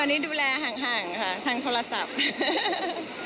ตอนนี้ดูแลห่างค่ะทางโทรศัพท์